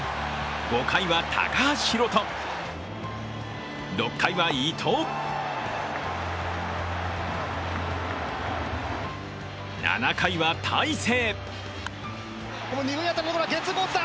５回は高橋宏斗、６回は伊藤、７回は大勢。